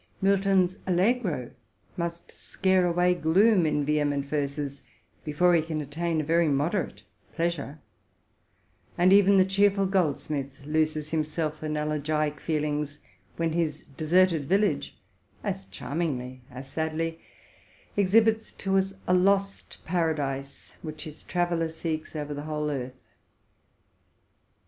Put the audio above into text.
Mil ton's '* Allegro'' has first to scare away gloom in vehement verses, before he can attain a very moderate pleasure ; and even the cheerful Goldsmith loses himself in elegiac feelings, when his '' Deserted Village,'' as charmingly, as sadly, ex hibits to us a lost paradise which his '+ Traveller '' seeks over the whole earth.